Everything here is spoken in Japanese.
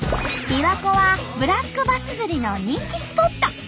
びわ湖はブラックバス釣りの人気スポット。